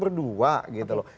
itu kan pertemuan berdua